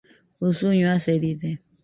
usuño aseride